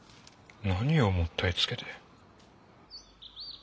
何をもったいつけて。